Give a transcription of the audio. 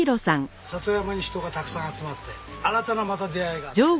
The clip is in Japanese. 里山に人がたくさん集まって新たなまた出会いがあって。